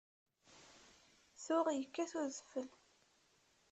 Tuɣ yekkat wedfel.